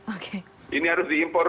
oke ini harus diimpor